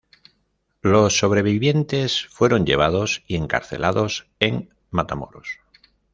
Los sobrevivientes fueron llevados y encarcelados en Matamoros.